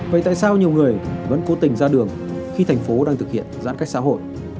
vậy tại sao nhiều người vẫn cố tình ra đường khi thành phố đang thực hiện giãn cách xã hội